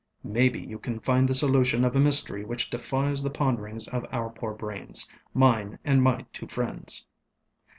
Maybe you can find the solution of a mystery which defies the ponderings of our poor brainsŌĆömine and my two friends.